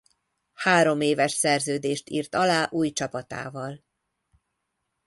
Hároméves szerződést írt alá új csapatával.